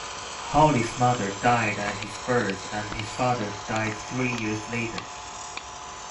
Hawley's mother died at his birth and his father died three years later.